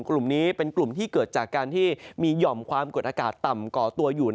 กลุ่มนี้เป็นกลุ่มที่เกิดจากการที่มีหย่อมความกดอากาศต่ำก่อตัวอยู่